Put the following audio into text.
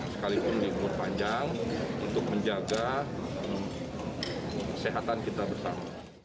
sekalipun libur panjang untuk menjaga kesehatan kita bersama